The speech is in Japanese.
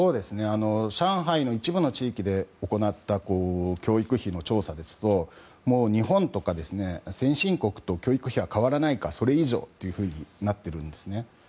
上海の一部の地域で行った教育費の調査ですと日本とか先進国と、教育費は変わらないか、それ以上になっているんですね。